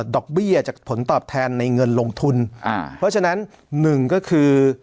อกเบี้ยจากผลตอบแทนในเงินลงทุนอ่าเพราะฉะนั้นหนึ่งก็คือ